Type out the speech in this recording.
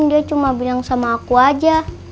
dia cuma bilang sama aku aja